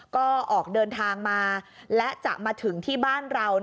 ก็ออกเดินทางมาและจะมาถึงที่บ้านเรา